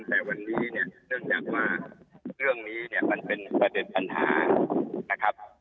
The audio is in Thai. แต่วันนี้เนี่ยเนื่องจากว่าเรื่องนี้เนี่ยมันเป็นประเด็นปัญหานะครับ